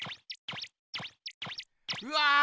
うわ！